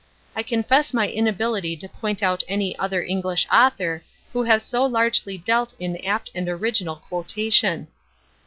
I confess my inability to point out any other English author who has so largely dealt in apt and original quotation.